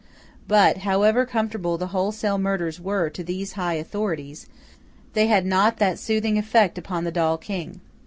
But, however comfortable the wholesale murders were to these high authorities, they had not that soothing effect upon the doll King.